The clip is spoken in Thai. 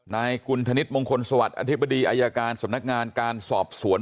นายกุณธนิษฐ์มงคลสวัสดิอธิบดีอายการสำนักงานการสอบสวน